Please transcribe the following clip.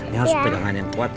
nih harus pegangan yang kuat ya